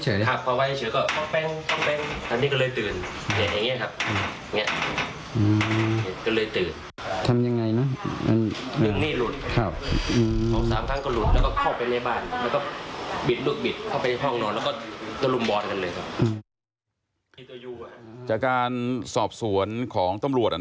จากการสอบสวนของตำรวจ